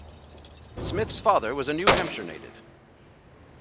Smith's father was a New Hampshire native.